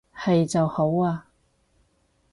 係就好啊